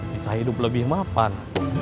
bisa hidup lebih mapan